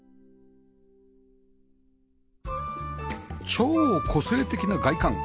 超個性的な外観